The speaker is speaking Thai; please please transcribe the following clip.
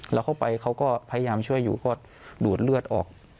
เข้าไปเขาก็พยายามช่วยอยู่ก็ดูดเลือดออก